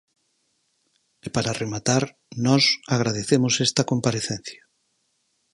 E para rematar, nós agradecemos esta comparecencia.